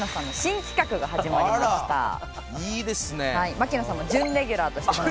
槙野さんも準レギュラーとしてこの番組。